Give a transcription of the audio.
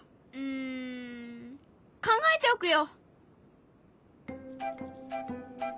ん考えておくよ！